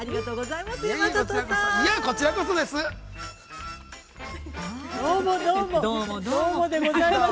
◆いえこちらこそです